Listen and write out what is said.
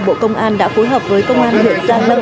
bộ công an đã phối hợp với công an huyện gia lâm